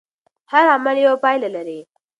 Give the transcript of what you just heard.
هر عمل یوه پایله لري.